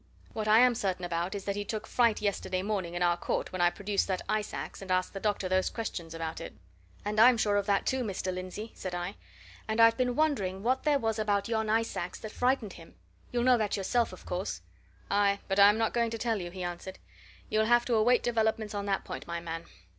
What I am certain about is that he took fright yesterday morning in our court, when I produced that ice ax and asked the doctor those questions about it." "And I'm sure of that, too, Mr. Lindsey," said I. "And I've been wondering what there was about yon ice ax that frightened him. You'll know that yourself, of course?" "Aye, but I'm not going to tell you!" he answered. "You'll have to await developments on that point, my man.